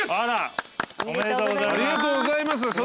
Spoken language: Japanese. おめでとうございます。